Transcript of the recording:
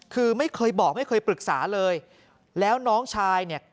คือไม่เคยบอกไม่เคยปรึกษาเลยแล้วน้องชายเนี่ย